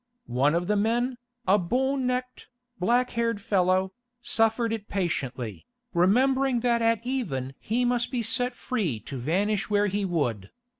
One of the men, a bull necked, black haired fellow, suffered it patiently, remembering that at even he must be set free to vanish where he would.